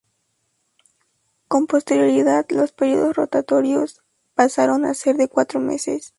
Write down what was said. Con posterioridad los periodos rotatorios pasaron a ser de cuatro meses.